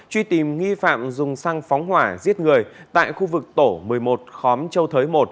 truy tìm nghi phạm dùng xăng phóng hỏa giết người tại khu vực tổ một mươi một khóm châu thới một